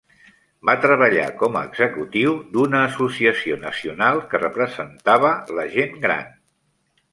Va treballar com a executiu d'una associació nacional que representava la gent gran.